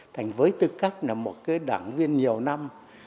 thành với tư cách là một cái đảng viên nhiều năm